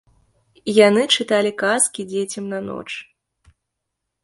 Яны чыталі казкі дзецям на ноч.